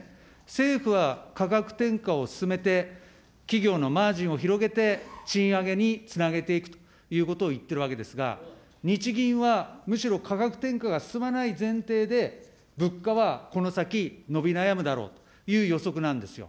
政府は価格転嫁を進めて、企業のマージンを広げて、賃上げにつなげていくということを言っているわけですが、日銀はむしろ価格転嫁が進まない前提で、物価はこの先、伸び悩むだろうという予測なんですよ。